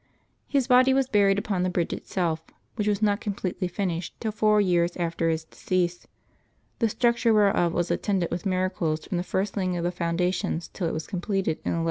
His body was buried upon the bridge itself, which was not completely finished till four years after his decease, the structure whereof was attended with miracles from the first laying of the foundations till it was completed in 1188.